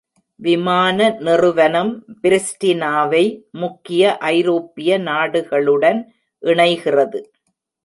விமான நிறுவனம், பிரிஸ்டினாவை முக்கிய ஐரோப்பிய நாடுகளுடன் இணைகிறது.